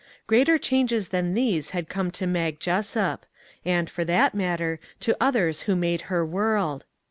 Greater changes than these had come to Mag Jessup; and, for that matter, to others who made her world.